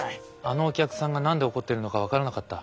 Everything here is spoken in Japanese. あのお客さんが何で怒ってるのか分からなかった？